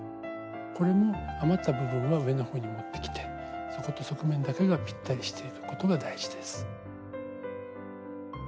これも余った部分は上の方に持ってきて底と側面だけがぴったりしていることが大事です。